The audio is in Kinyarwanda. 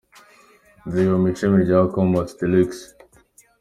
Nziga mu ishami rya Commerce de Luxe”.